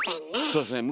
そうですね